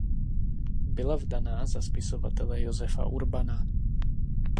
Byla vdaná za spisovatele Josefa Urbana.